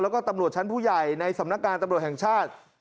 แล้วก็ตำรวจชั้นผู้ใหญ่ในสำนักงานตำรวจแห่งชาติ